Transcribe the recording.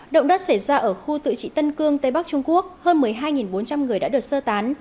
động đất xảy ra ở khu tự trị tân cương tây bắc trung quốc hơn một mươi hai bốn trăm linh người đã được sơ tán